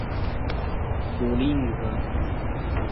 dulingva